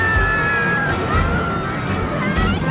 最高！